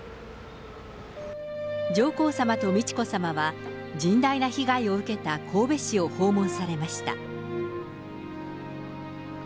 上皇さまと美智子さまは、甚大な被害を受けた神戸市を訪問されました。